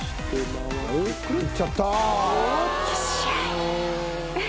）いっちゃった！））